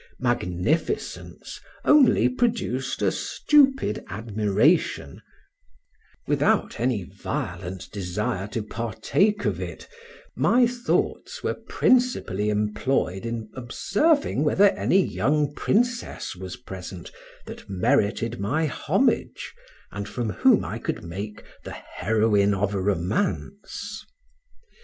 Magnificence only produced a stupid admiration, without any violent desire to partake of it, my thoughts were principally employed in observing whether any young princess was present that merited my homage, and whom I could make the heroine of a romance.